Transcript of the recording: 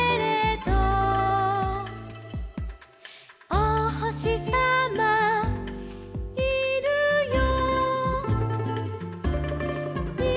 「おひさまいるよ」